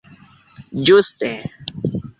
Ĝuste.